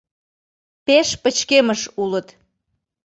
— Пеш пычкемыш улыт...